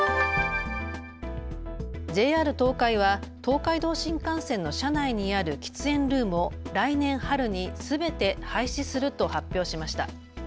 ＪＲ東海は東海道新幹線の車内にある喫煙ルームを来年春にすべて廃止すると発表しました。